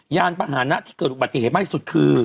ยานประหานะที่เกิดอุบัติเหตุมากที่สุดคือ